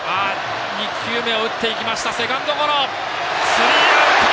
スリーアウト！